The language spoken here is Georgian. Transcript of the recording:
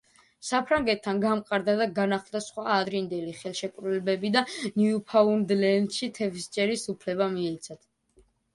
საფრანგეთთან გამყარდა და განახლდა სხვა ადრინდელი ხელშეკრულებები და ნიუფაუნდლენდში თევზჭერის უფლება მიეცათ.